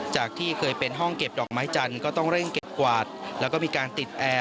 จากที่เคยเป็นห้องเก็บดอกไม้จันทร์ก็ต้องเร่งเก็บกวาดแล้วก็มีการติดแอร์